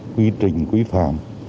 quy trình quy phạm